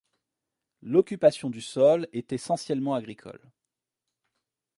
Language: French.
L’occupation du sol est essentiellement agricole.